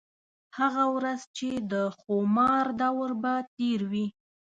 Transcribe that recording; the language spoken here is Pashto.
هغه ورځ چې د خومار دَور به تېر وي